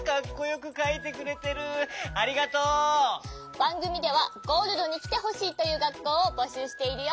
ばんぐみではゴールドにきてほしいというがっこうをぼしゅうしているよ。